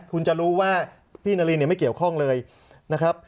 คุณจะรู้ว่าพี่นารินเนี่ยไม่เกี่ยวข้องเลยนะครับ